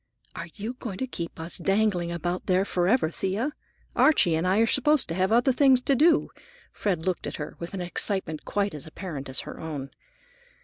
"Are you going to keep us dangling about here forever, Thea? Archie and I are supposed to have other things to do." Fred looked at her with an excitement quite as apparent as her own.